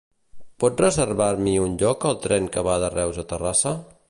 Pots reservar-m'hi un lloc al tren que va de Reus a Terrassa?